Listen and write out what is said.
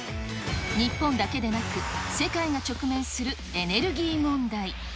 日本だけでなく、世界が直面するエネルギー問題。